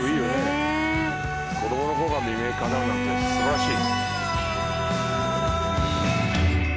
子供の頃からの夢かなうなんて素晴らしい。